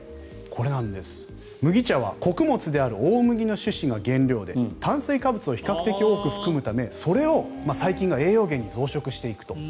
これなんです、麦茶は穀物である大麦の種子が原料で炭水化物を比較的多く含むためそれを細菌が栄養源に増殖していく。